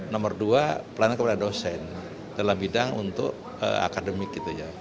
nomor dua pelayanan kepada dosen dalam bidang untuk akademik